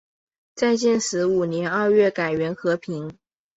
在建始五年二月改元河平。